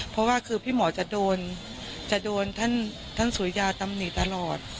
เพราะว่าคือพี่หมอจะโดนจะโดนท่านสุริยาตำหนิตลอด